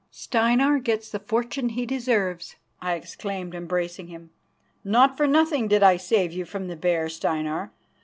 "Steinar gets the fortune he deserves," I exclaimed, embracing him. "Not for nothing did I save you from the bear, Steinar.